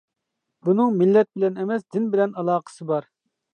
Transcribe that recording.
بۇنىڭ مىللەت بىلەن ئەمەس، دىن بىلەن ئالاقىسى بار.